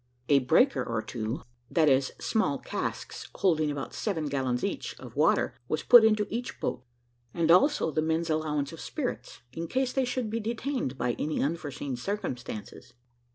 A breaker or two (that is, small casks holding about seven gallons each) of water was put into each boat, and also the men's allowance of spirits, in case they should be detained by any unforeseen circumstances.